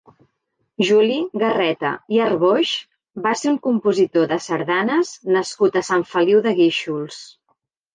Juli Garreta i Arboix va ser un compositor de sardanes nascut a Sant Feliu de Guíxols.